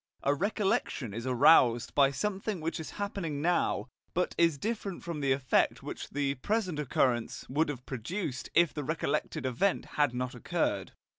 A recollection is aroused by something which is happening now, but is different from the effect which the present occurrence would have produced if the recollected event had not occurred.